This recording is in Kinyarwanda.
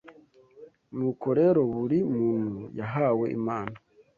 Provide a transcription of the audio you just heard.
” Nk’uko rero buri “muntu yahawe impano,